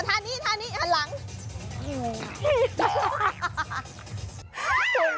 ทางนี้ทางหลัง